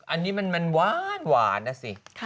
อันนี้มันหวานนะสิ